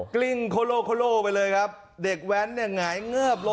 กลิ้งโคโลโคโล่ไปเลยครับเด็กแว้นเนี่ยหงายเงือบ